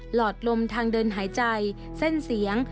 หอดลมทางเดินหายใจเส้นเสียง